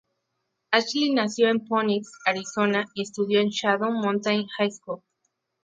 Ashley nació en Phoenix, Arizona y estudió en Shadow Mountain High School.